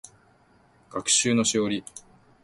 学習のしおり